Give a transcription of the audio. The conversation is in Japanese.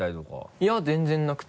いや全然なくて。